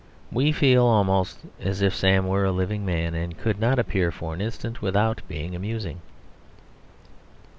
We feel almost as if Sam were a living man, and could not appear for an instant without being amusing.